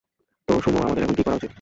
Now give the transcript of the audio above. তো সুমো, আমাদের এখন কি করা উচিত?